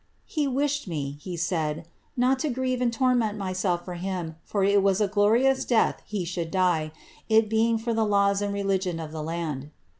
^ He wished me,' he said, to grieve and torment myself for him, for it was a glorious deat should die, it being for the laws and religion of the land.'